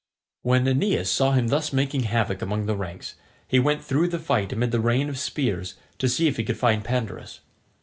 When Aeneas saw him thus making havoc among the ranks, he went through the fight amid the rain of spears to see if he could find Pandarus.